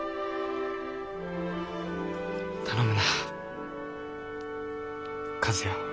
頼むな和也を。